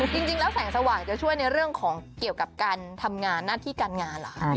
จริงแล้วแสงสว่างจะช่วยในเรื่องของเกี่ยวกับการทำงานหน้าที่การงานเหรอคะ